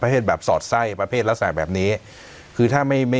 หรือว่าอ